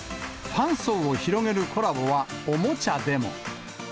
ファン層を広げるコラボは、おもちゃでも。